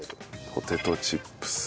ポテトチップス。